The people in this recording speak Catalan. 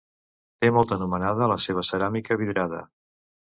Té molta anomenada la seva ceràmica vidrada.